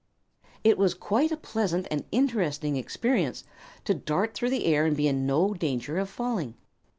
It was quite a pleasant and interesting experience, to dart through the air and be in no danger of falling.